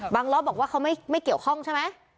ล้อบอกว่าเขาไม่เกี่ยวข้องใช่ไหม